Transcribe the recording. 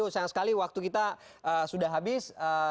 sayang sekali waktu kita sudah habis